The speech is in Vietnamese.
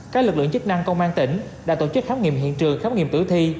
các lực lượng chức năng công an tỉnh đã tổ chức khám nghiệm hiện trường khám nghiệm tử thi